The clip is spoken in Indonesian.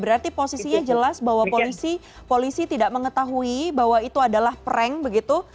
berarti posisinya jelas bahwa polisi tidak mengetahui bahwa itu adalah prank begitu